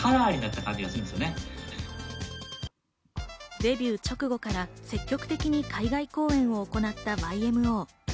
デビュー直後から積極的に海外公演を行ったＹＭＯ。